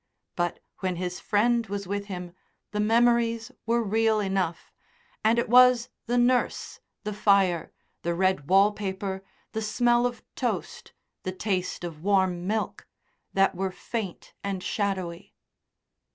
But when his friend was with him the memories were real enough, and it was the nurse, the fire, the red wallpaper, the smell of toast, the taste of warm milk, that were faint and shadowy.